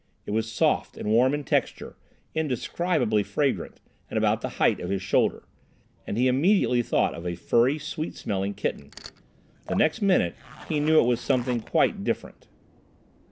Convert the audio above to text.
It was soft and warm in texture, indescribably fragrant, and about the height of his shoulder; and he immediately thought of a furry, sweet smelling kitten. The next minute he knew it was something quite different.